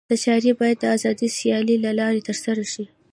دا چارې باید د آزادې سیالۍ له لارې ترسره شي.